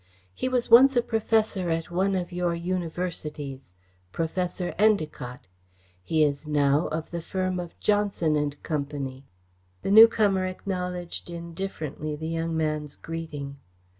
He was once a professor at one of your universities Professor Endacott. He is now of the firm of Johnson and Company." The newcomer acknowledged indifferently the young man's greeting.